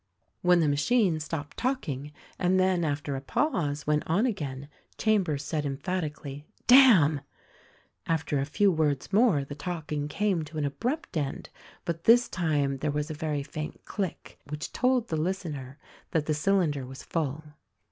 When the machine stopped talking and then after a pause went on again, Chambers said, emphatically, "Damn !" After a few words more the talking came to an abrupt end ; but this time there was a very faint click which told the listener that the cylinder was full.